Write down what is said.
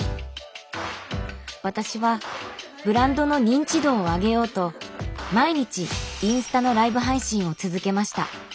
私はブランドの認知度を上げようと毎日インスタのライブ配信を続けました。